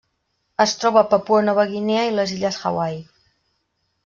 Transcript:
Es troba a Papua Nova Guinea i les illes Hawaii.